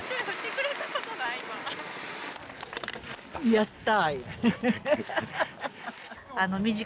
やった。